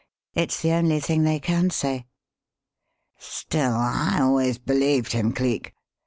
It's the only thing they can say." "Still, I always believed him, Cleek.